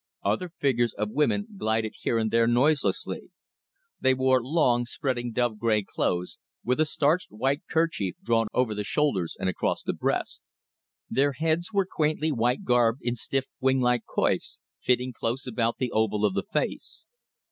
Other figures, of women, glided here and there noiselessly. They wore long, spreading dove gray clothes, with a starched white kerchief drawn over the shoulders and across the breast. Their heads were quaintly white garbed in stiff winglike coifs, fitting close about the oval of the face.